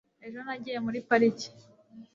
ejo nagiye muri pariki